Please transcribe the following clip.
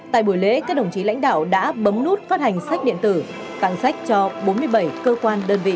tại buổi lễ các đồng chí lãnh đạo đã bấm nút phát hành sách điện tử tặng sách cho bốn mươi bảy cơ quan đơn vị